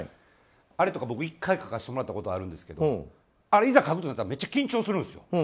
あれとか僕、１回書かせてもらったことあるんですけどあれ、いざ書くとなったらめっちゃ緊張するんです。